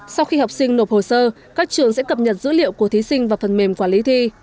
sau khi học sinh nộp hồ sơ các trường sẽ cập nhật dữ liệu của thí sinh vào phần mềm quản lý thi